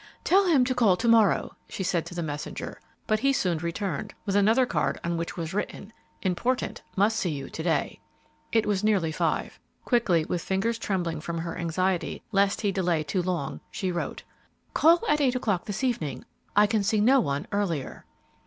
"Tell him to call to morrow," she said to the messenger; but he soon returned, with another card on which was written, "Important! must see you to day." It was nearly five. Quickly, with fingers trembling from her anxiety lest he delay too long, she wrote, "Call at eight o'clock this evening; I can see no one earlier."